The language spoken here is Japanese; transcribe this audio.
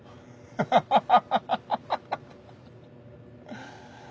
アハハハ。